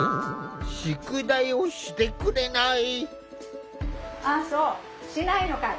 宿題をしてくれない。